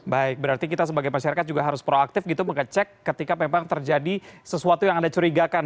baik berarti kita sebagai masyarakat juga harus proaktif gitu mengecek ketika memang terjadi sesuatu yang anda curigakan